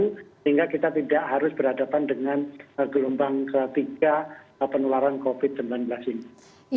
sehingga kita tidak harus berhadapan dengan gelombang ketiga penularan covid sembilan belas ini